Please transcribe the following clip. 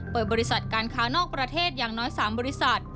บริษัทการค้านอกประเทศอย่างน้อย๓บริษัท